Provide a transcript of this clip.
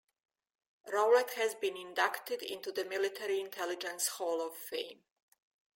Rowlett has been inducted into the Military Intelligence Hall of Fame.